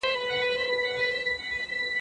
د لړم په څېر يې وار لکه مرگى وو